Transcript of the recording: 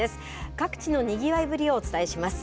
各地のにぎわいぶりをお伝えします。